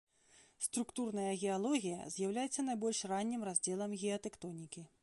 Структурная геалогія з'яўляецца найбольш раннім раздзелам геатэктонікі.